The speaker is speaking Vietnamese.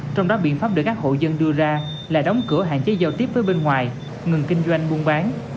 trong đó biện pháp được các hộ dân đưa ra là đóng cửa hạn chế giao tiếp với bên ngoài ngừng kinh doanh buôn bán